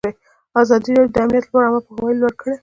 ازادي راډیو د امنیت لپاره عامه پوهاوي لوړ کړی.